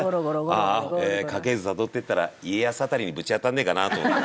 あーあ家系図たどっていったら家康辺りにぶち当たんねえかなと思って。